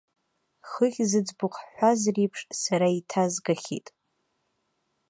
Хыхь зыӡбахә ҳҳәаз реиԥш, сара еиҭазгахьеит.